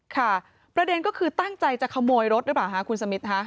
ค่ะประเด็นก็คือตั้งใจจะขโมยรถหรือเปล่าคะคุณสมิทค่ะ